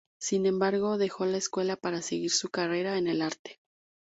Sin embargo dejó la escuela para seguir su carrera en el arte.